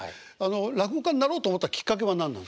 落語家になろうと思ったきっかけは何なんですか？